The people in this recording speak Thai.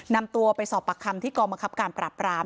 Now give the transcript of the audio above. นำตัวไปสอบปากคำที่กองบังคับการปราบราม